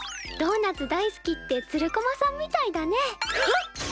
ドーナツ大好きってつる駒さんみたいだね。